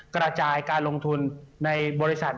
กระจายการลงทุนในบริษัท